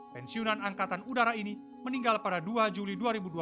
pensiunan angkatan udara ini meninggal pada dua juli dua ribu dua puluh